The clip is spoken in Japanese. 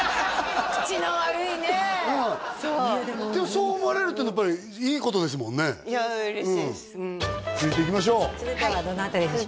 そう思われるっていうのはやっぱりいいことですもんねいや嬉しいですうん続いていきましょう続いてはどの辺りにしますか？